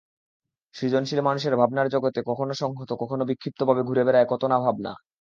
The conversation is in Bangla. সৃজনশীল মানুষের ভাবনার জগতে কখনো সংহত, কখনো বিক্ষিপ্তভাবে ঘুরে বেড়ায় কত-না ভাবনা।